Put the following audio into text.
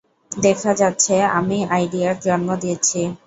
দেখা যাচ্ছে আমিই আইডিয়ার জন্ম দিচ্ছি।